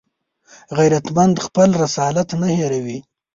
غیرتمند خپل رسالت نه هېروي